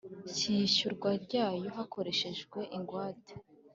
Cy iyishyurwa ryayo hakoreshejwe ingwate